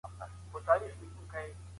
ارواپوهنه څنګه له ناروغانو سره مرسته کوي؟